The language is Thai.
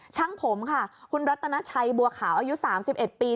ช่างผมค่ะคุณรัตนาชัยบัวขาวอายุ๓๑ปี